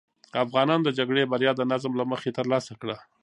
افغانانو د جګړې بریا د نظم له مخې ترلاسه کړه.